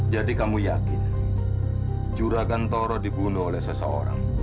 jadi kamu yakin juragan toro dibunuh oleh seseorang